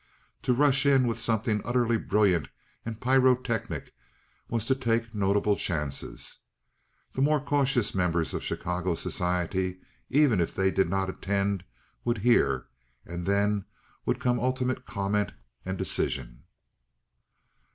To rush in with something utterly brilliant and pyrotechnic was to take notable chances. The more cautious members of Chicago society, even if they did not attend, would hear, and then would come ultimate comment and decision.